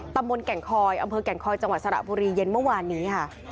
ตำบลแก่งคอยอำเภอแก่งคอยจังหวัดสระบุรีเย็นเมื่อวานนี้ค่ะ